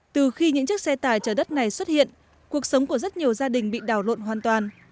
từ khi những chiếc xe tải chở đất này xuất hiện cuộc sống của rất nhiều gia đình bị đảo lộn hoàn toàn